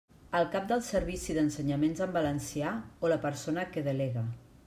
El cap del Servici d'Ensenyaments en Valencià o la persona que delegue.